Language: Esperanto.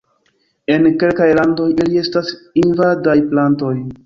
En kelkaj landoj ili estas invadaj plantoj.